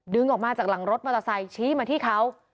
ออกมาจากหลังรถมอเตอร์ไซค์ชี้มาที่เขา